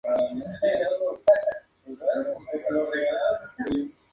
En la ciudad hay varios mercados urbanos.